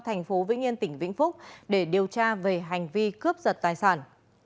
tp hcm tỉnh vĩnh phúc để điều tra về hành vi cướp giật tài sản